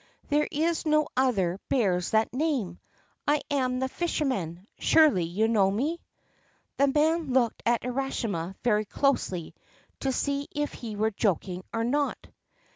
There is no other bears that name. I am the fisherman : surely you know me.' The man looked at Urashima very closely to see if he were joking or not.